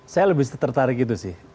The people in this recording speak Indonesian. saya lebih tertarik itu sih